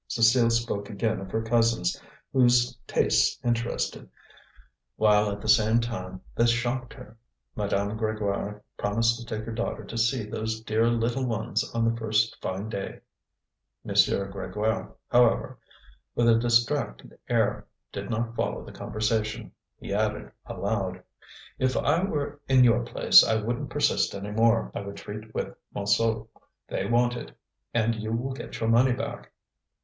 Cécile spoke again of her cousins, whose tastes interested, while at the same time they shocked her. Madame Grégoire promised to take her daughter to see those dear little ones on the first fine day. M. Grégoire, however, with a distracted air, did not follow the conversation. He added aloud: "If I were in your place I wouldn't persist any more; I would treat with Montsou. They want it, and you will get your money back."